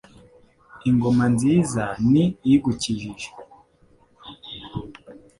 Ingoma nziza ni igukijije ;